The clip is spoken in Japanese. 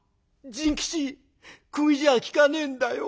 「甚吉くぎじゃ効かねえんだよ。